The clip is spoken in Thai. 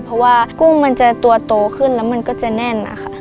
เพราะว่ากุ้งมันจะตัวโตขึ้นแล้วมันก็จะแน่นนะคะ